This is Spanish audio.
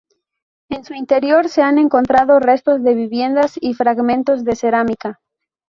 En su interior se han encontrado restos de viviendas y fragmentos de cerámica.